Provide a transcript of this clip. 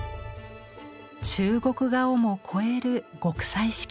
「中国画をも超える極彩色世界を」。